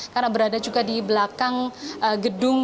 karena berada juga di belakang gedung